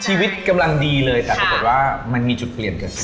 ชีวิตกำลังดีเลยแต่ปรากฏว่ามันมีจุดเปลี่ยนเกิดขึ้น